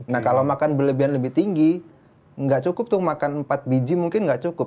nah kalau makan berlebihan lebih tinggi nggak cukup tuh makan empat biji mungkin nggak cukup